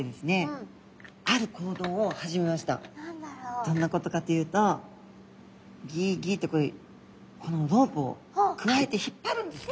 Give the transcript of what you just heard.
どんなことかというとギギってこのロープをくわえて引っ張るんですね。